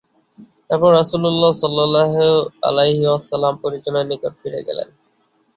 তারপর রাসূলুল্লাহ সাল্লাল্লাহু আলাইহি ওয়াসাল্লাম পরিজনের নিকট ফিরে গেলেন।